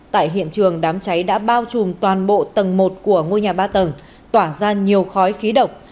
tại hiện trường đám cháy đã bao trùm toàn bộ tầng một của ngôi nhà ba tầng tỏa ra nhiều khói khí độc